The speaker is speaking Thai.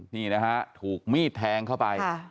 นี่นะฮะถูกมีดแทงเข้าไป